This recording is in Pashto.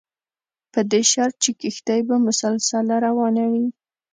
په دې شرط چې کښتۍ به مسلسله روانه وي.